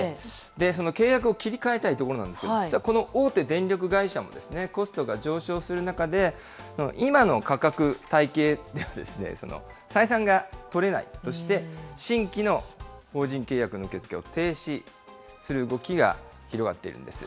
その契約を切り替えたいところなんですけれども、実はこの大手電力会社もコストが上昇する中で、今の価格体系では採算が取れないとして、新規の法人契約の受け付けを停止する動きが広がっているんです。